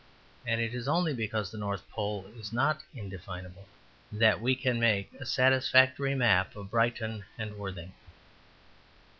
And it is only because the North Pole is not indefinable that we can make a satisfactory map of Brighton and Worthing.